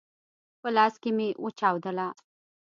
په لاس کي مي وچاودله !